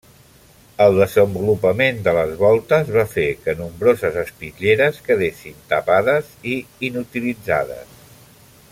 El desenvolupament de les voltes va fer que nombroses espitlleres quedessin tapades i inutilitzades.